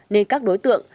nên các đối tượng